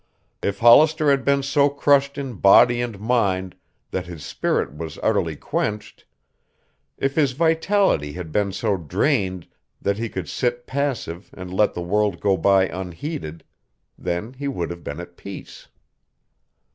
If Hollister had been so crushed in body and mind that his spirit was utterly quenched, if his vitality had been so drained that he could sit passive and let the world go by unheeded, then he would have been at peace.